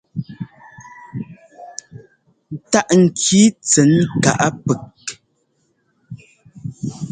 Táꞌ ŋki tsɛn káꞌ pɛk.